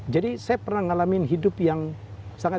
jadi saya pernah ngalamin hidup yang sangat